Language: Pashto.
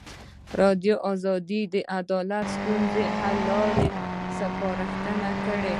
ازادي راډیو د عدالت د ستونزو حل لارې سپارښتنې کړي.